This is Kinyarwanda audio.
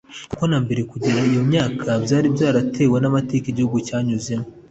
kuko na mbere kongera iyo myaka byari byaratewe n’amateka igihugu cyanyuzemo